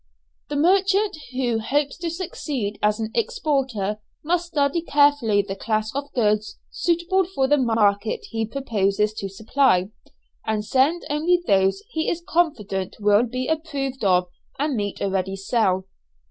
The merchant who hopes to succeed as an exporter must study carefully the class of goods suitable for the market he proposes to supply, and send only those he is confident will be approved of and meet a ready sale.